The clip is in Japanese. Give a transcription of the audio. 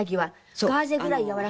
ガーゼぐらいやわらかく。